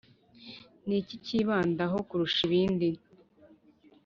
ni iki bibandaho kurusha ibindi?